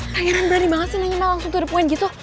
kagetan berani banget sih nanya malah langsung tuh ada poin gitu